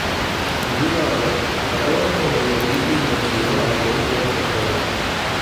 முடிவாகக் கரோலனுடைய வீட்டை நோக்கியே அவர்கள் புறப்பட்டனர்.